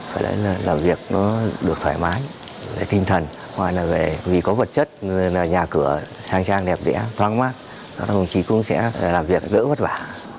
phải làm việc được thoải mái tinh thần ngoài là vì có vật chất nhà cửa sang trang đẹp đẽ thoáng mát công trí cũng sẽ làm việc đỡ vất vả